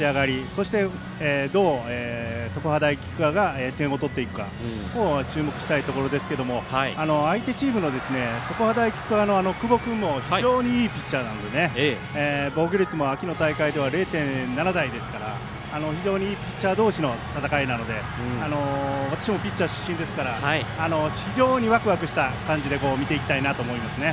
そして、どう常葉大菊川が点を取っていくかを注目したいところですけども相手チームの常葉大菊川の久保君も非常にいいピッチャーなので防御率も秋の大会では０．７台ですから非常にいいピッチャー同士の戦いなので私もピッチャー出身ですから非常にワクワクした感じで見ていきたいと思います。